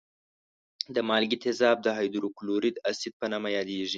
د مالګي تیزاب د هایدروکلوریک اسید په نامه یادېږي.